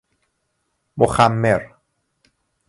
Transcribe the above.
مخمر